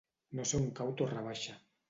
No sé on cau Torre Baixa.